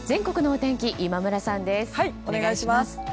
お願いします。